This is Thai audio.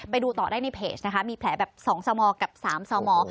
ไปดูต่อได้ในเพจนะคะมีแผลแบบ๒สมกับ๓สม